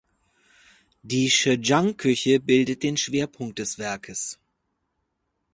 Die Zhejiang-Küche bildet den Schwerpunkt des Werkes.